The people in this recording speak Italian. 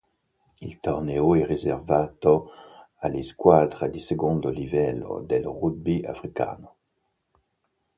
Il torneo è riservato alle squadre di secondo livello del rugby africano.